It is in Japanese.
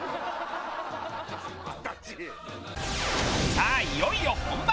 さあいよいよ本番！